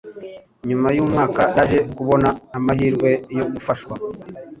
Nyuma y'umwaka yaje kubona amahirwe yo gufashwa